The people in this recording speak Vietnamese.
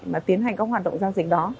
mà tiến hành các hoạt động giao dịch đó